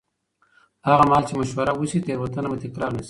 هغه مهال چې مشوره وشي، تېروتنه به تکرار نه شي.